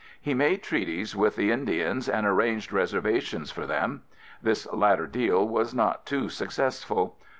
He made treaties with the Indians and arranged reservations for them. This latter deal was not too successful.